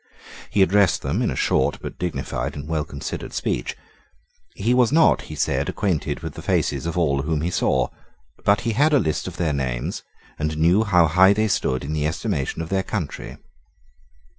He addressed them in a short but dignified and well considered speech. He was not, he said, acquainted with the faces of all whom he saw. But he had a list of their names, and knew how high they stood in the estimation of their country.